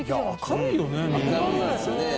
明るいですよね。